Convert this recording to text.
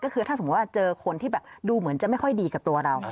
เข้าแล้วนะ